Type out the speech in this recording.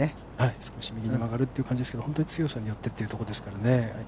少し右に曲がるという感じですが、本当に強さによってという感じですから。